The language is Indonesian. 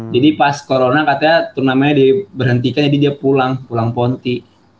jadi pas corona katanya turnamennya di berhentikan jadi dia pulang pulang ponti